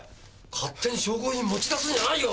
勝手に証拠品持ち出すんじゃないよ！